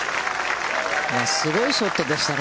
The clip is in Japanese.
すごいショットですね。